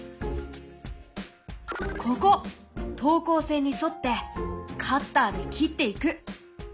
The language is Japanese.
ここ等高線に沿ってカッターで切っていく！